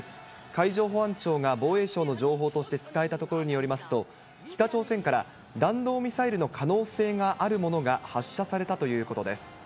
海上保安庁が防衛省の情報として伝えたところによりますと、北朝鮮から弾道ミサイルの可能性があるものが発射されたということです。